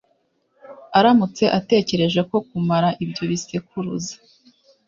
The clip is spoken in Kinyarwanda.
aramutse atekereje ko kumara ibyo bisekuruza